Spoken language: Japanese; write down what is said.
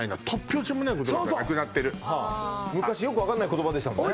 よくわかんない言葉でしたもんね